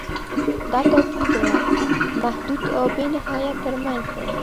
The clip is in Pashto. دا توپیر د محدود او بې نهایت تر منځ دی.